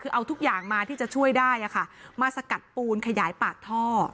คือเอาทุกอย่างมาที่จะช่วยได้มาสกัดปูนขยายปากท่อ